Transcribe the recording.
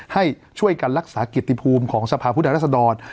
ให้ช่วยกันรักษากิจภูมิของสภาพผู้แทนรัศดร